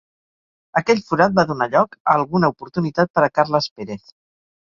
Aquell forat va donar lloc a alguna oportunitat per a Carles Pérez.